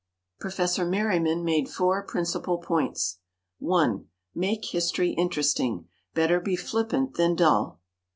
Prof. Merriman made four principal points: 1. Make history interesting "better be flippant than dull."